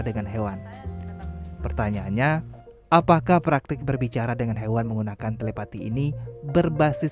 saya juga berpikir apakah praktek berbicara dengan hewan menggunakan telepati ini berbasis sains